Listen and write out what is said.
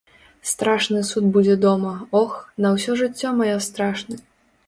Страшны суд будзе дома, ох, на ўсё жыццё маё страшны!